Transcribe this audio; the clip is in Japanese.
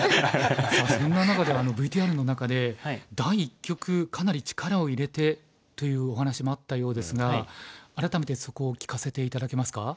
そんな中でＶＴＲの中で第一局かなり力を入れてというお話もあったようですが改めてそこを聞かせて頂けますか？